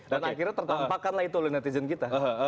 dan akhirnya tertumpahkan lah itu oleh netizen kita